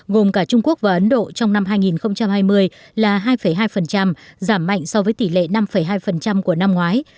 gồm cả trung quốc và ấn độ trong năm hai nghìn hai mươi là hai hai giảm mạnh so với tỷ lệ năm hai của năm ngoái